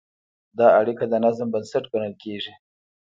دا اړیکه د نظم بنسټ ګڼل کېږي.